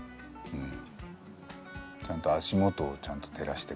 うん。